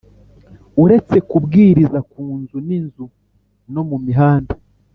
Uretse kubwiriza ku nzu ninzu no mu mihanda